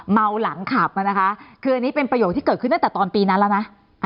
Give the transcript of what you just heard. เมาหลังขับมานะคะคืออันนี้เป็นประโยคที่เกิดขึ้นตั้งแต่ตอนปีนั้นแล้วนะ